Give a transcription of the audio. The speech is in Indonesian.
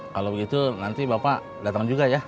kalau begitu nanti bapak datang juga ya